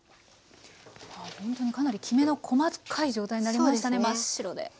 ほんとにかなりきめの細かい状態になりましたね真っ白で。